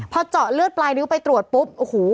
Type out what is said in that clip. พอเจาะเลือดปลายนิ้วไปตรวจปุ๊บโอ้โห